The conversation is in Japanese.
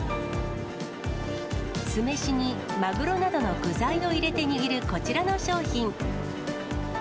酢飯にマグロなどの具材を入れて握るこちらの商品。